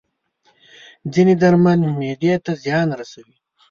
ځینې درمل معده ته زیان رسوي.